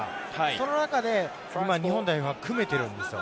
その中で日本代表は組めているんですよ。